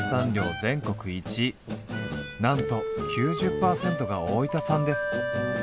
なんと９０％が大分産です。